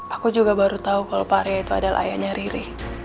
aku juga baru tahu kalau pak arya itu adalah ayahnya riri